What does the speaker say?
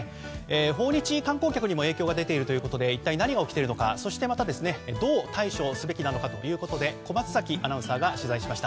訪日観光客にも影響が出ているということで一体何が起きているのかそしてまたどう対処すべきなのかというころで小松崎アナが取材しました。